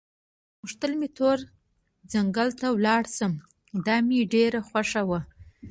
غوښتل مې تور ځنګله ته ولاړ شم، دا مې ډېره خوښه وه.